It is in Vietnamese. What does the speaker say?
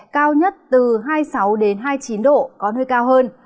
cao nhất từ hai mươi sáu hai mươi chín độ có nơi cao hơn